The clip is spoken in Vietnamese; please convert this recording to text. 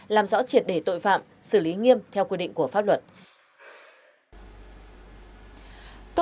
làm rõ triệt để tội phạm xử lý nghiêm theo quy định của pháp luật